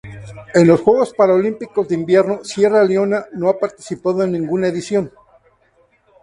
En los Juegos Paralímpicos de Invierno Sierra Leona no ha participado en ninguna edición.